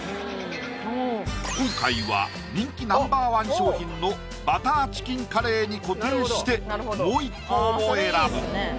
今回は人気Ｎｏ．１商品のバターチキンカレーに固定してもう一方を選ぶ